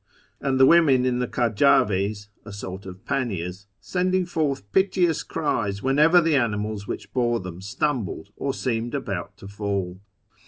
and the women in the kajdvds (sort of panniers) sending forth piteous cries whenever the animals which bore them stumbled or seemed about to fall.